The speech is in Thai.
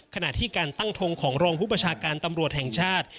ขณะที่การตั้งทงของรองผู้ประชาการตำรวจแห่งชาติ